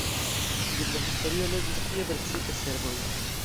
Dum la historio loĝis tie precipe serboj.